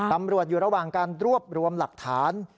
ตำรวจอยู่ระหว่างการรวบรวมหลักฐาน